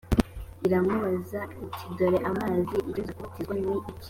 iramubaza iti dore amazi ikimbuza kubatizwa ni iki‽